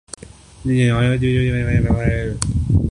پمز سمیت تمام ھسپتالوں میں اصلی جراثیم کش سپرے کریں